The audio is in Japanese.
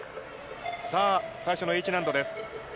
さあ、最初のＨ難度です。